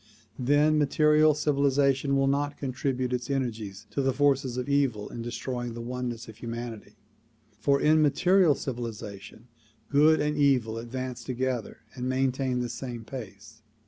Then material civilization will not contribute its energies to the forces of evil in destroying the oneness of humanity, for in material civilization good and evil advance together and maintain the same pace.